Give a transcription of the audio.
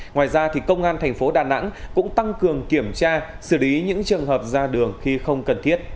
ngoài ra công an thành phố đà nẵng cũng tăng cường kiểm tra xử lý những trường hợp ra đường khi không cần thiết